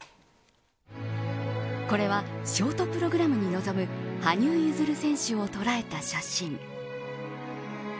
これは、ショートプログラムに臨む羽生結弦選手を捉えた写真。